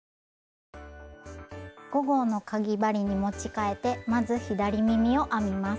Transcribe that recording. ５号のかぎ針に持ち替えてまず左耳を編みます。